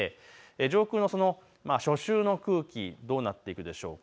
上空の初秋の空気、どうなっているでしょうか。